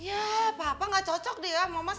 ya papa nggak cocok deh ya mama sebe